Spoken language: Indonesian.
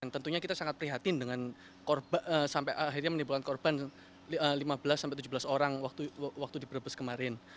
tentunya kita sangat prihatin dengan korban sampai akhirnya menimbulkan korban lima belas tujuh belas orang waktu di brebes kemarin